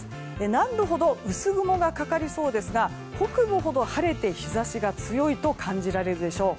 南部ほど薄雲がかかりそうですが北部ほど晴れて日差しが強いと感じられるでしょう。